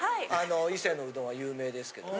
伊勢のうどんは有名ですけど。